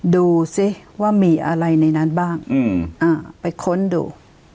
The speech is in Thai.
ดูสิว่ามีอะไรในนั้นบ้างไปค้นดู